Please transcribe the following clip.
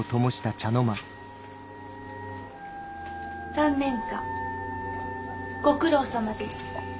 ３年間ご苦労さまでした。